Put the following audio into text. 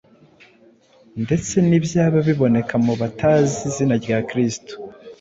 ndetse n’ibyaba biboneka mu batazi izina rya Kristo,